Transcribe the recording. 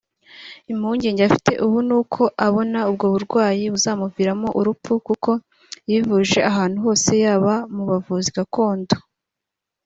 Impungenge afite ubu n’uko abona ubwo burwayi buzamuviramo urupfu kuko yivuje ahantu hose yaba mu bavuzi gakondo